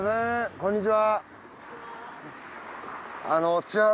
こんにちは。